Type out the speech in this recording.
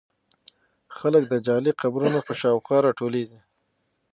خلک د جعلي قبرونو په شاوخوا راټولېږي.